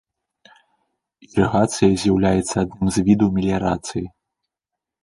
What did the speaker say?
Ірыгацыя з'яўляецца адным з відаў меліярацыі.